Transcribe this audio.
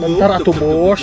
bentar atuh bos